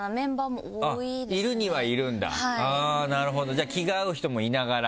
じゃあ気が合う人もいながら？